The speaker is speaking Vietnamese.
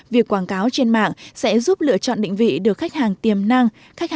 việc quảng cáo trên mạng sẽ giúp lựa chọn định vị được khách hàng tiềm năng